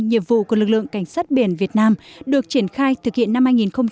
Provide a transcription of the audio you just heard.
nhiệm vụ của lực lượng cảnh sát biển việt nam được triển khai thực hiện năm hai nghìn một mươi chín